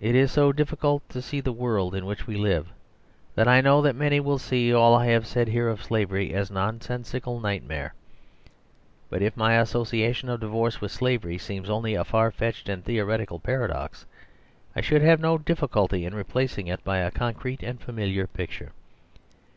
It is so difiicult to see the world in which we live, that I know that many will see all I have said here of slavery as a nonsensical nightmare. But if my associ ation of divorce with slavery seems only a far fetched and theoretical paradox, I should have no difiiculty in replacing it by a concrete and familiar picture.